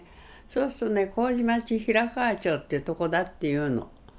そうするとね麹町平河町っていうとこだっていうのね。